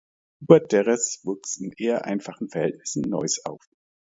Hubert Derrez wuchs in eher einfachen Verhältnissen in Neuss auf.